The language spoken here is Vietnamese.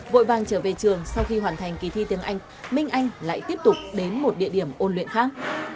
vội vàng trở về trường sau khi hoàn thành kỳ thi tiếng anh minh anh lại tiếp tục đến một địa điểm ôn luyện khác